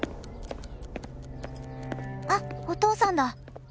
あっお父さんだ。